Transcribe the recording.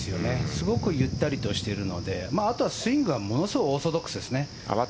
すごくゆったりとしているのであとはスイングはものすごくオーソドックスですね。